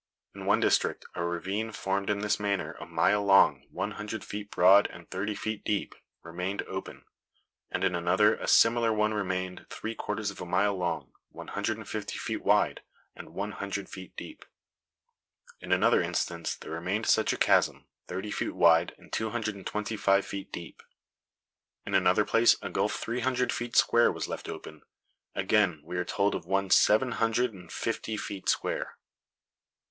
In one district a ravine, formed in this manner, a mile long, one hundred feet broad and thirty feet deep, remained open; and in another a similar one remained, three quarters of a mile long, one hundred and fifty feet wide, and one hundred feet deep; in another instance there remained such a chasm, thirty feet wide and two hundred and twenty five feet deep." In another place a gulf three hundred feet square was left open; again, we are told of one seven hundred and fifty feet square.